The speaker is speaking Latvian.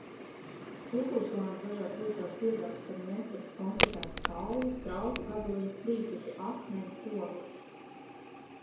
Kultūrslānis dažās vietās biezāks par metru, konstatēti kauli, trauku gabaliņi, plīsuši akmeņi, ogles.